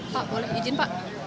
pak boleh izin pak